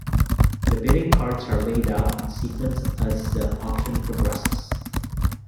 The bidding cards are laid out in sequence as the auction progresses.